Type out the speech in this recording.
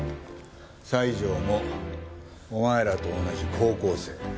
西条もお前らと同じ高校生。